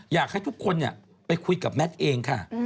อยากให้ทุกคนไปคุยกับแมทเองค่ะ